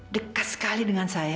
dekat sekali dengan saya